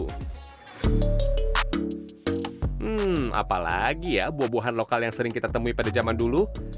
hmm apalagi ya buah buahan lokal yang sering kita temui pada zaman dulu